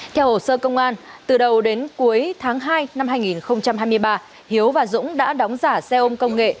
theo hồ sơ công an từ đầu đến cuối tháng hai năm hai nghìn hai mươi ba hiếu và dũng đã đóng giả xe ôm công nghệ